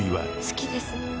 好きです。